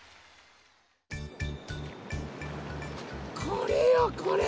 これよこれ。